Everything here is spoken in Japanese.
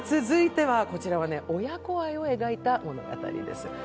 続いては、こちらは親子愛を描いた物語です。